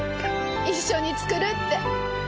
一緒に作るって。